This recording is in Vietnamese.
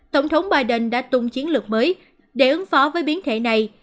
tổng thống biden đã tung chiến lược mới để ứng phó với biến thể này